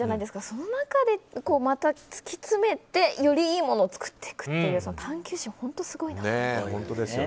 その中でまた突き詰めてよりいいものを作っていくという探求心が本当すごいなって。